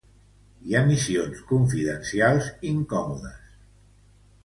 Hi ha missions confidencials incòmodes.